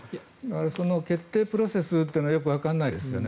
その決定プロセスというのはよくわからないですよね。